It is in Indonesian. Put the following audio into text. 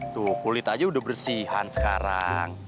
tuh kulit aja udah bersihan sekarang